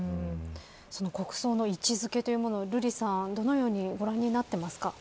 その国葬の位置付けというものを瑠麗さん、どのようにご覧になっていますか。